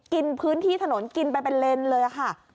กินพื้นที่ถนนกินไปเป็นเลนเลยค่ะ